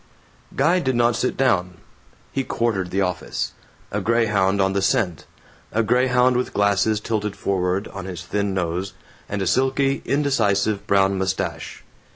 Guy did not sit down. He quartered the office, a grayhound on the scent; a grayhound with glasses tilted forward on his thin nose, and a silky indecisive brown mustache.